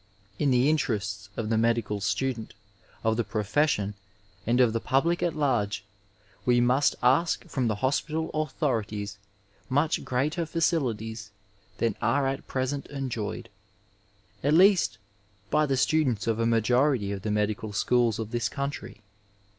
In the interests of the medical stadent, of the profession, and of the public at large we mast ask from the hospital aathoiities moch greater facili ties than are at present enjoyed, at least by the students of a majority of the medical schools of this country.